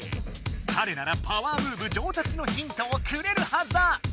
かれならパワームーブ上達のヒントをくれるはずだ！